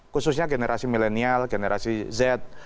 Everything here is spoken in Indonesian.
khususnya generasi milenial generasi z